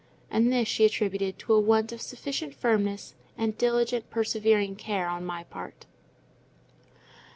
And this she attributed to a want of sufficient firmness, and diligent, persevering care on my part.